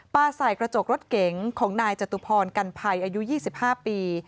ใส่กระจกรถเก๋งของนายจตุพรกันภัยอายุ๒๕ปี